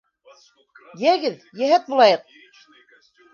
— Йәгеҙ, йәһәт булайыҡ.